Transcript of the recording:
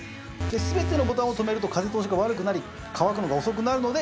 全てのボタンを留めると風通しが悪くなり乾くのが遅くなるので。